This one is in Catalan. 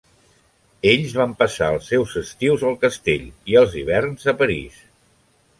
Ells van passar els seus estius al castell i els hiverns a París.